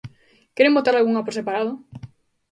¿Queren votar algunha por separado?